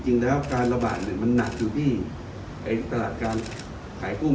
นะว่าการระบาดมันหนักอยู่ในตลาดการขายกุ้ม